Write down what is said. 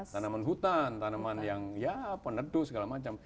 tanaman hutan tanaman yang ya peneduh segala macam